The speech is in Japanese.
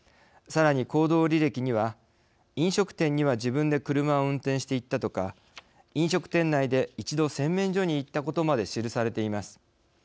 さらに、行動履歴には飲食店には自分で車を運転していったとか飲食店内で一度洗面所にいったことまで記されています。